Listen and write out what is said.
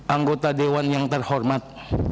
anggota dewan yang terhormat